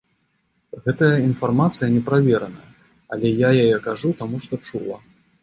Гэтая інфармацыя неправераная, але я яе кажу, таму што чула.